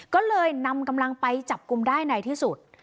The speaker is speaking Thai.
ก็เลยนำกำลังไปจับกลุ่มได้ในที่สุด